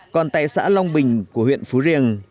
còn tại xã long bình của huyện phú riêng